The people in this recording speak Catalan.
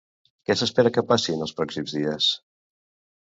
Què s'espera que passi en els pròxims dies?